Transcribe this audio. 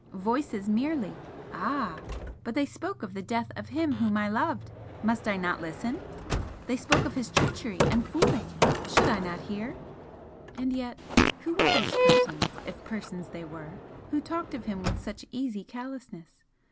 Voices merely! Ah! but they spoke of the death of him whom I loved! must I not listen? They spoke of his treachery and 'fooling.' Should I not hear? And yet who were those persons, if persons they were, who talked of him with such easy callousness?